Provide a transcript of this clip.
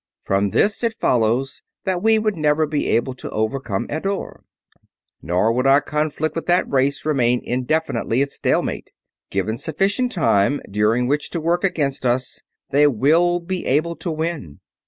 "From this it follows that we would never be able to overcome Eddore; nor would our conflict with that race remain indefinitely at stalemate. Given sufficient time during which to work against us, they will be able to win.